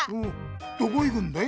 どこ行くんだい？